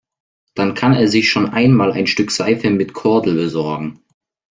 Dann kann er sich schon einmal ein Stück Seife mit Kordel besorgen.